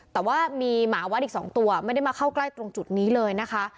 แต่ว่ามีหมาวัดอีก๒ตัวไม่ได้มาเข้าใกล้ตรงจุดนี้เลยนะคะ